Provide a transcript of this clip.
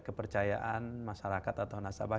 kepercayaan masyarakat atau nasabah